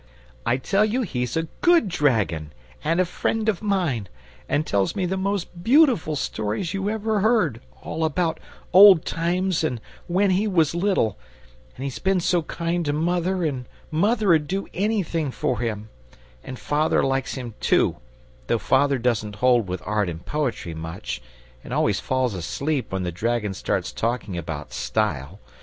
I tell you he's a GOOD dragon, and a friend of mine, and tells me the most beautiful stories you ever heard, all about old times and when he was little. And he's been so kind to mother, and mother'd do anything for him. And father likes him too, though father doesn't hold with art and poetry much, and always falls asleep when the dragon starts talking about STYLE.